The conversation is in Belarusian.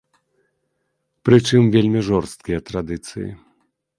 Прычым вельмі жорсткія традыцыі.